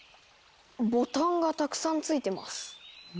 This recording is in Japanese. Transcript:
ボタンがたくさん付いてます。